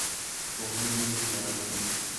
که پوهنه وي نو تیاره نه پاتیږي.